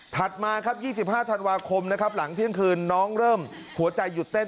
มาครับ๒๕ธันวาคมนะครับหลังเที่ยงคืนน้องเริ่มหัวใจหยุดเต้น